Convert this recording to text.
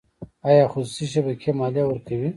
آیا خصوصي شبکې مالیه ورکوي؟